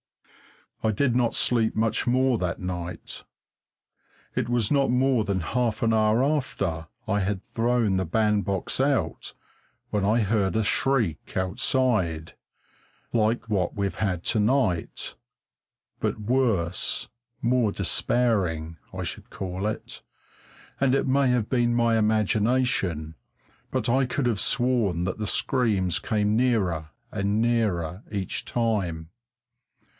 I did not sleep much more that night. It was not more than half an hour after I had thrown the bandbox out when I heard a shriek outside like what we've had to night, but worse, more despairing, I should call it; and it may have been my imagination, but I could have sworn that the screams came nearer and nearer each time.